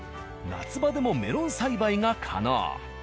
夏場でもメロン栽培が可能。